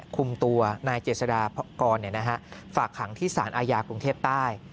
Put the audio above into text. คุมตัวนายเจษฎากรฝากขังที่สารอาญากรุงเทพใต้